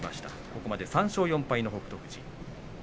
ここまで３勝４敗の北勝富士です。